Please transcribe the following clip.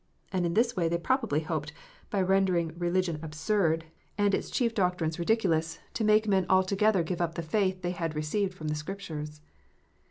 " And in this way they probably hoped, by rendering religion absurd, and its chief 330 KNOTS UNTIED. doctrines ridiculous, to make men altogether give up the faith they had received from the Scriptures.